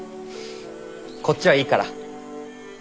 こっちはいいから。